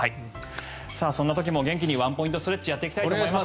そんなときも元気にワンポイントストレッチをやっていきたいと思います。